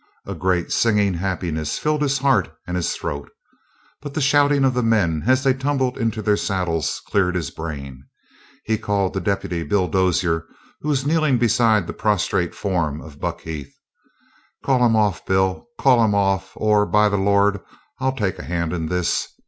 A great, singing happiness filled his heart and his throat. But the shouting of the men as they tumbled into their saddles cleared his brain. He called to Deputy Bill Dozier, who was kneeling beside the prostrate form of Buck Heath: "Call 'em off, Bill. Call 'em off, or, by the Lord, I'll take a hand in this!